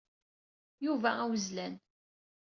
Yuba awezlan.